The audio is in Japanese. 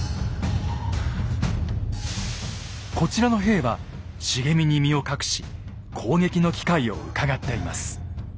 こちらの兵は茂みに身を隠し攻撃の機会をうかがっています。